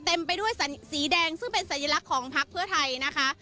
เต็มไปด้วยสีแดงซึ่งเป็นสัญลักษณ์ของพักเพื่อไทยนะคะ